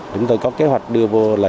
chúng tôi có kế hoạch đưa vô là